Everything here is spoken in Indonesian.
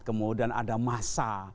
kemudian ada masa